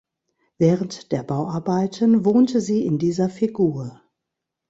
Während der Bauarbeiten wohnte sie in dieser Figur.